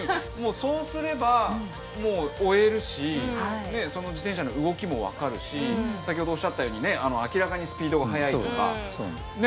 そうすれば追えるしその自転車の動きも分かるし先ほどおっしゃったように明らかにスピードが速いとかね